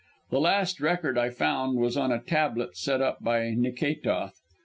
"The last record I found was on a tablet set up by Nikétoth.